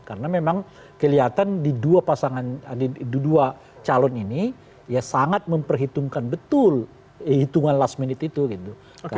karena memang kelihatan di dua pasangan di dua calon ini ya sangat memperhitungkan betul hitungan last minute itu gitu